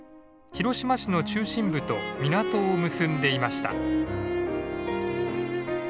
広島市の中心部と港を結んでいました。